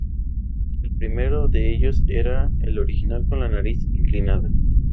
El primero de ellos era el original con la nariz inclinada.